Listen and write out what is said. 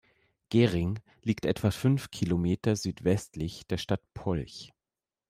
Gering liegt etwa fünf Kilometer südwestlich der Stadt Polch.